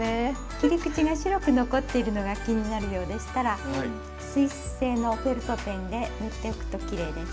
切り口が白く残っているのが気になるようでしたら水性のフェルトペンで塗っておくときれいです。